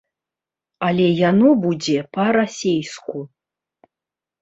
Але яно будзе па-расейску.